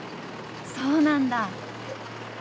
そうなんだ。